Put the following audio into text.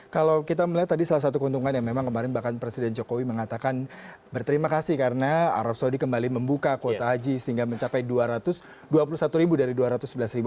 kalau kita melihat tadi salah satu keuntungan yang memang kemarin bahkan presiden jokowi mengatakan berterima kasih karena arab saudi kembali membuka kuota haji sehingga mencapai dua ratus dua puluh satu ribu dari dua ratus sebelas ribu